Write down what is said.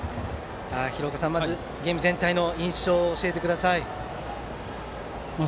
廣岡さん、まずゲーム全体の印象を教えてください。